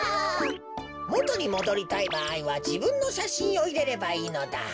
もとにもどりたいばあいはじぶんのしゃしんをいれればいいのだ。